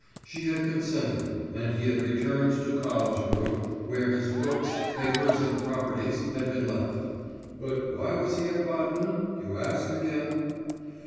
She had consented, and he had returned to Carlsruhe, where his books, papers and properties had been left.... But why was he at Baden, you ask again?